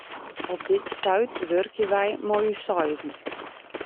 Op dit stuit wurkje wy mei ús seizen.